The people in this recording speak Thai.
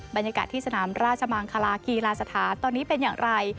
บรรยากาศที่สนามราชมังคลากีฬาสถานตอนนี้เป็นอย่างไร